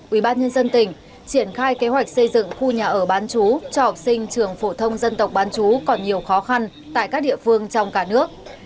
ubnd tỉnh triển khai kế hoạch xây dựng khu nhà ở bán chú cho học sinh trường phổ thông dân tộc bán chú còn nhiều khó khăn tại các địa phương trong cả nước